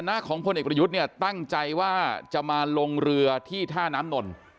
หน้าของพลเอกประยุทธ์เนี่ยตั้งใจว่าจะมาลงเรือที่ท่าน้ำนน